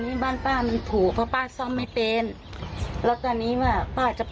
ติดเตียงได้ยินเสียงลูกสาวต้องโทรศัพท์ไปหาคนมาช่วย